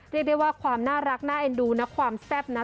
เรียกได้ว่าความน่ารักน่าเอ็นดูนะความแซ่บนะ